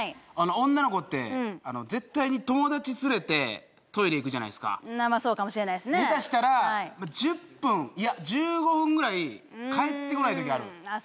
女の子って絶対に友達つれてトイレ行くじゃないですかそうかもしれないですね下手したら１０分いや１５分ぐらい帰ってこないときあるああ